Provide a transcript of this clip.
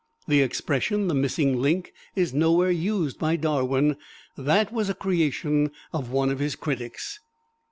The expression, "the missing link," is nowhere used by Darwin that was a creation of one of his critics.